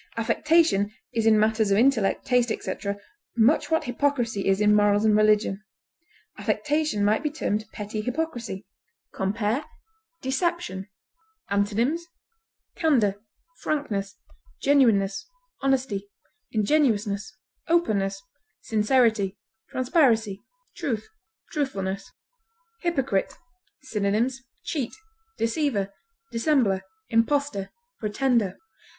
Affectation is in matters of intellect, taste, etc., much what hypocrisy is in morals and religion; affectation might be termed petty hypocrisy. Compare DECEPTION. Antonyms: candor, genuineness, ingenuousness, sincerity, truth, frankness, honesty, openness, transparency, truthfulness. HYPOCRITE. Synonyms: cheat, deceiver, dissembler, impostor, pretender.